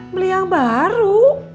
beli yang baru